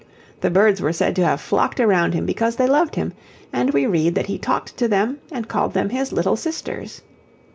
The birds were said to have flocked around him because they loved him, and we read that he talked to them and called them his 'little sisters.'